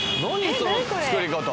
その作り方。